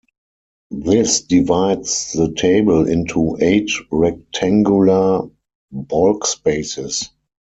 This divides the table into eight rectangular balkspaces.